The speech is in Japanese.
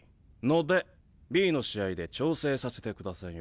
のでＢの試合で調整させてください。